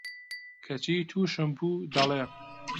کەچی تووشم بوو، دەڵێ: